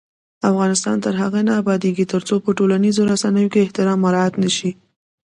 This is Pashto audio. افغانستان تر هغو نه ابادیږي، ترڅو په ټولنیزو رسنیو کې احترام مراعت نشي.